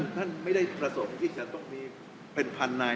ท่านไม่ได้ประสงค์ที่จะต้องมีเป็นพันนาย